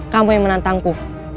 kamu yang menantangku